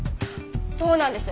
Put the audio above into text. そうなんです。